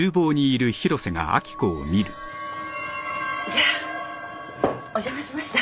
じゃあお邪魔しました。